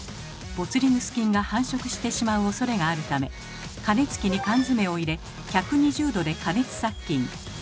ボツリヌス菌が繁殖してしまうおそれがあるため加熱機に缶詰を入れ１２０℃で加熱殺菌。